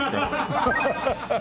ハハハハハ！